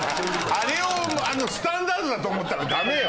あれをスタンダードだと思ったらダメよ。